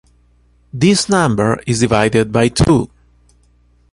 This number is divided by two.